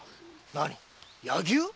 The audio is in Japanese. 何柳生⁉